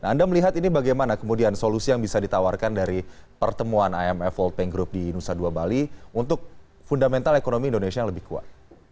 nah anda melihat ini bagaimana kemudian solusi yang bisa ditawarkan dari pertemuan imf world bank group di nusa dua bali untuk fundamental ekonomi indonesia yang lebih kuat